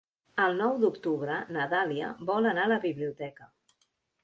El nou d'octubre na Dàlia vol anar a la biblioteca.